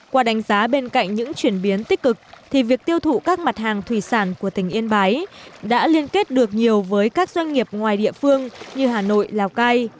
qua đánh giá bên cạnh những chuyển biến tích cực thì việc tiêu thụ các mặt hàng thủy sản của tỉnh yên bái đã liên kết được nhiều với các doanh nghiệp ngoài địa phương như hà nội lào cai